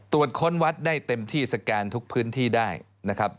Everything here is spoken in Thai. ค้นวัดได้เต็มที่สแกนทุกพื้นที่ได้นะครับ